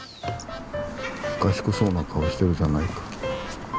賢そうな顔してるじゃないか。